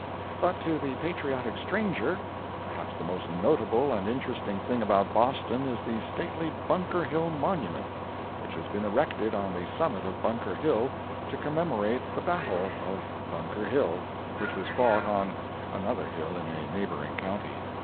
But to the patriotic stranger, perhaps the most notable and interesting thing about Boston is the stately Bunker Hill Monument, which has been erected on the summit of Bunker Hill, to commemorate the battle of Bunker Hill, which was fought on another hill in a neighboring county.